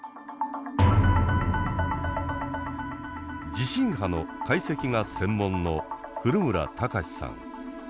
地震波の解析が専門の古村孝志さん。